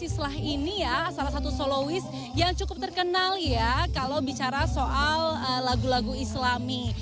islah ini ya salah satu soloist yang cukup terkenal ya kalau bicara soal lagu lagu islami